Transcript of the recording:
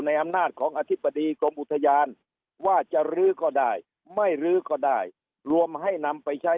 อำนาจของอธิบดีกรมอุทยานว่าจะรื้อก็ได้ไม่รื้อก็ได้รวมให้นำไปใช้